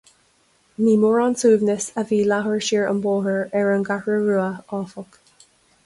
Ní mórán suaimhnis a bhí leathuair siar an bóthar ar an gCeathrú Rua, áfach.